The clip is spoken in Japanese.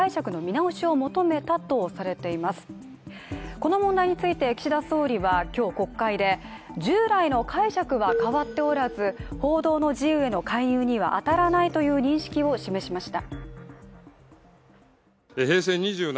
この問題について岸田総理は今日、国会で従来の解釈は変わっておらず、報道の自由への介入には当たらないとの認識を示しました。